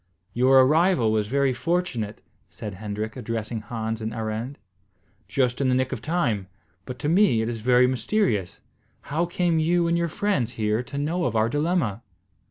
"Your arrival was very fortunate," said Hendrik, addressing Hans and Arend. "Just in the nick of time; but to me it is very mysterious. How came you and your friends here to know of our dilemma?"